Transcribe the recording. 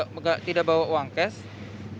tidak bawa uang cash